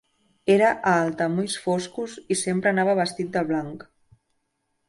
Era alt, amb ulls foscos, i sempre anava vestit de blanc.